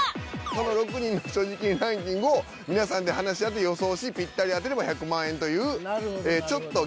その６人の所持金ランキングを皆さんで話し合って予想しぴったり当てれば１００万円という。